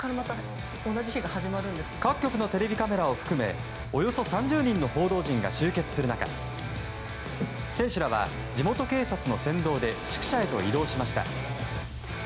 各局のテレビカメラを含めおよそ３０人の報道陣が集結する中選手らは地元警察の先導で宿舎へと移動しました。